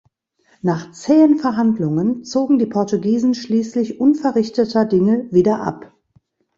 Nach zähen Verhandlungen zogen die Portugiesen schließlich unverrichteter Dinge wieder ab.